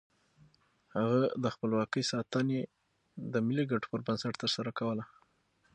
هغه د خپلواکۍ ساتنه د ملي ګټو پر بنسټ ترسره کوله.